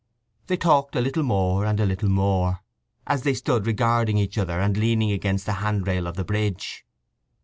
They talked a little more and a little more, as they stood regarding each other and leaning against the hand rail of the bridge.